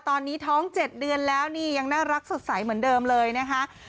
ตอนนี้ท้อง๗เดือนแล้วนี่ยังน่ารักสดใสเหมือนเดิมเลยนะคะ